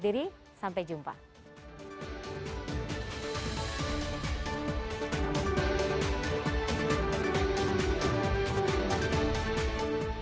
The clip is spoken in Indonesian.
terima kasih pak